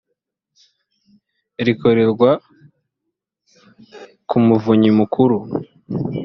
rikorerwa ku muvunyi mukuru